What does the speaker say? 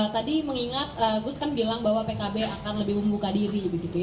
tadi mengingat gus kan bilang bahwa pkb akan lebih membuka diri